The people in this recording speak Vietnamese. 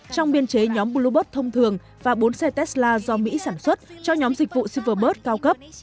trong biên chế nhóm bluebird thông thường và bốn xe tesla do mỹ sản xuất cho nhóm dịch vụ silverbert cao cấp